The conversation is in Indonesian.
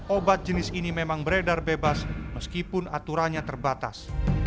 obat jenis ini memang beredar bebas meskipun aturannya terbatas